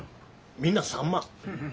みんな３万。